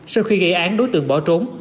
sau khi gây án đối tượng bỏ trốn